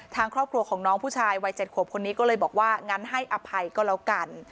ทางครอบครัวของน้องผู้ชายวัย๗ขวบคนนี้ก็เลยบอกว่างั้นให้อภัยก็แล้วกัน